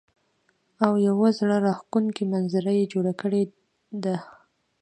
او يو زړۀ راښکونکے منظر يې جوړ کړے دے ـ